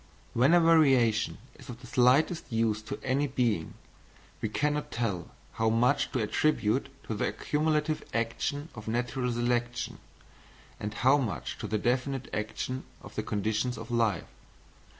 When a variation is of the slightest use to any being, we cannot tell how much to attribute to the accumulative action of natural selection, and how much to the definite action of the conditions of life.